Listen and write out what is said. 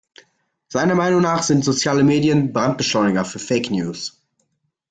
Seiner Meinung nach sind soziale Medien Brandbeschleuniger für Fake-News.